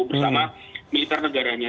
bersama militer negaranya